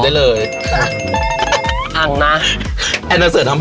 อี่มันเหนียได้